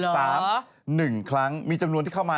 เมื่อปี๒๑๔๓๑ครั้งเหลวมีจำนวนที่เข้ามา